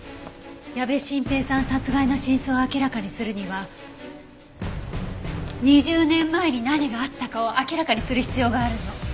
矢部晋平さん殺害の真相を明らかにするには２０年前に何があったかを明らかにする必要があるの。